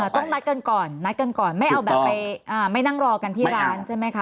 ต้องนัดกันก่อนนัดกันก่อนไม่เอาแบบไปไม่นั่งรอกันที่ร้านใช่ไหมคะ